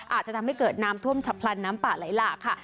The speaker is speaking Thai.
อาจจะทำให้เกิดน้ำท่วมฉับพลันน้ำป่าไหลหลากค่ะ